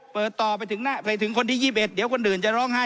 เปิดต่อไปถึงหน้าไปถึงคนที่๒๑เดี๋ยวคนอื่นจะร้องไห้